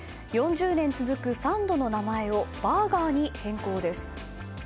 ４０年続くサンドの名前をバーガーに変更です。